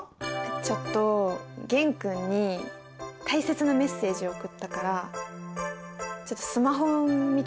ちょっと玄君に大切なメッセージを送ったからちょっとスマホ見てほしいなみたいな。